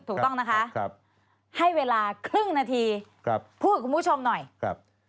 ถูกต้องนะคะครับให้เวลาครึ่งนาทีครับพูดกับคุณผู้ชมหน่อยครับ